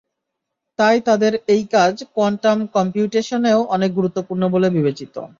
তাই তাঁদের এই কাজ কোয়ান্টাম কম্পিউটেশনেও অনেক গুরুত্বপূর্ণ বলে বিবেচিত।